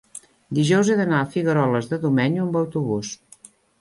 Dijous he d'anar a Figueroles de Domenyo amb autobús.